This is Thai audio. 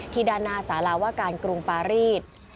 ด้านหน้าสาราว่าการกรุงปารีส